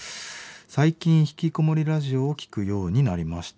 「最近『ひきこもりラジオ』を聴くようになりました」。